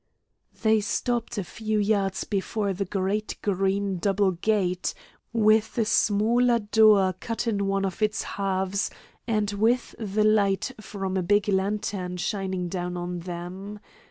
They stopped a few yards before the great green double gate, with a smaller door cut in one of its halves, and with the light from a big lantern shining down on them.